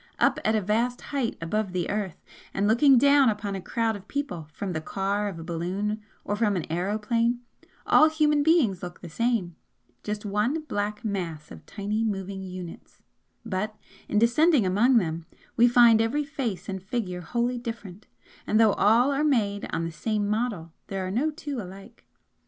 Up at a vast height above the Earth, and looking down upon a crowd of people from the car of a balloon, or from an aeroplane, all human beings look the same just one black mass of tiny moving units; but, in descending among them, we find every face and figure wholly different, and though all are made on the same model there are no two alike.